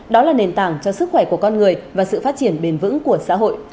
đó là nền tảng cho sức khỏe của con người và sự phát triển bền vững của xã hội